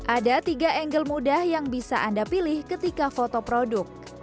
ada tiga angle mudah yang bisa anda pilih ketika foto produk